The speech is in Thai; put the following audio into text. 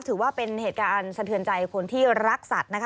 ถือว่าเป็นเหตุการณ์สะเทือนใจคนที่รักสัตว์นะคะ